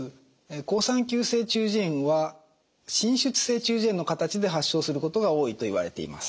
好酸球性中耳炎は滲出性中耳炎の形で発症することが多いといわれています。